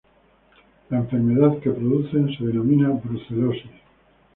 La enfermedad que producen se denomina brucelosis.